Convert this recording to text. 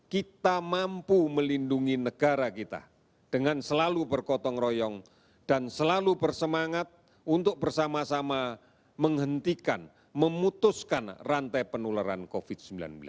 kita mampu melindungi negara kita dengan selalu bergotong royong dan selalu bersemangat untuk bersama sama menghentikan memutuskan rantai penularan covid sembilan belas